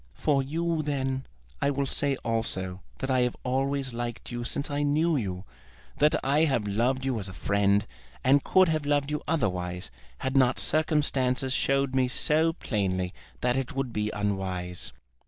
"For you, then, I will say also that I have always liked you since I knew you; that I have loved you as a friend; and could have loved you otherwise had not circumstances showed me so plainly that it would be unwise."